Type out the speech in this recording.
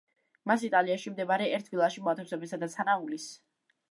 მას იტალიაში მდებარე ერთ ვილაში მოათავსებენ, სადაც ჰანა უვლის.